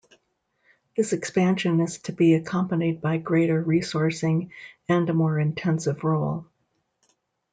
This expansion is to be accompanied by greater resourcing and a more intensive role.